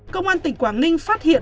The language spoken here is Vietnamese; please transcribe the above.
công an tỉnh quảng ninh phát hiện